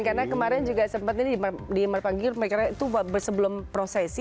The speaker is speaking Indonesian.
karena kemarin juga sempat ini dimanggil mereka itu sebelum prosesi